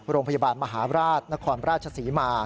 โรงพยาบาลมหาราชนครราชศรีมา